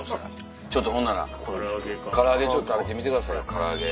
ちょっとほんなら唐揚げちょっと食べてみてくださいよ唐揚げ。